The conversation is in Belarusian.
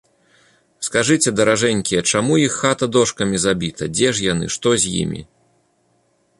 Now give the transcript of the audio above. Скажыце, даражэнькія, чаму іх хата дошкамі забіта, дзе ж яны, што з імі?